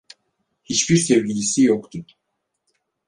Hiçbir sevgilisi yoktu.